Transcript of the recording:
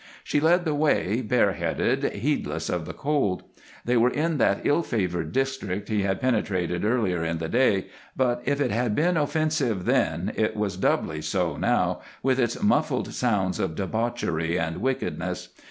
She led the way, bareheaded, heedless of the cold. They were in that ill favored district he had penetrated earlier in the day, but if it had been offensive then it was doubly so now, with its muffled sounds of debauchery and wickedness.